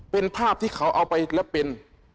เป็นภาพที่เขาเอาไปแล้วเป็น